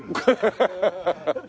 ハハハハ。